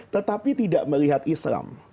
tetapi tidak melihat islam